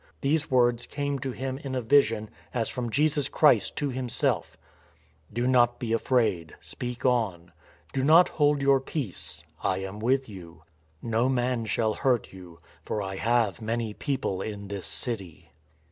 These words came to him, in a vision, as from Jesus Christ to himself :'* Do not be afraid : speak on. Do not hold your peace. I am with you. No man shall hurt you. For I have many people in this city."